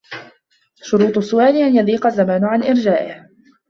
شُرُوطِ السُّؤَالِ أَنْ يَضِيقُ الزَّمَانُ عَنْ إرْجَائِهِ